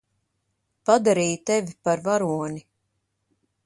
Padarīju tevi par varoni.